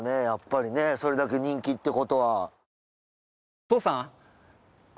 やっぱりねそれだけ人気ってことは。